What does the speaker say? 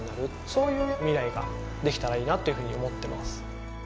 そういうミライができたらいいなっていうふうに思ってます。